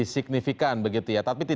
sisa banyak yang tadi